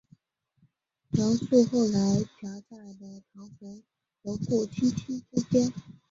杨树后来夹在了唐红和顾菁菁之间。